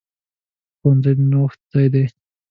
ښوونځی د نوښت ځای دی.